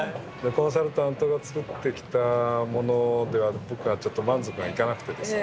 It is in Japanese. コンサルタントが作ってきたものでは僕はちょっと満足がいかなくてですね。